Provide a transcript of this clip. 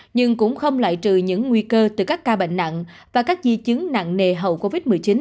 nhưng cũng không loại trừ những nguy cơ từ các ca bệnh nặng và các di chứng nặng nề hậu covid một mươi chín